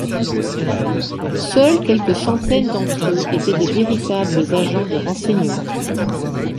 Seuls quelques centaines d’entre eux étaient de véritables agents de renseignement.